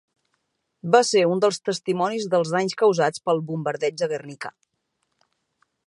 Va ser un dels testimonis dels danys causats pel Bombardeig de Guernica.